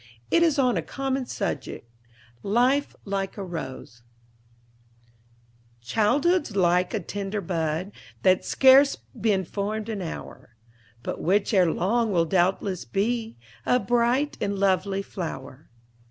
It is on a common subject, "Life like a Rose": "Childhood's like a tender bud That's scarce been formed an hour, But which erelong will doubtless be A bright and lovely flower.